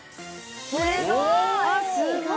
すごい！